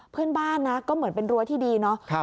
เพื่อนบ้านนะก็เหมือนเป็นรั้วที่ดีเนาะ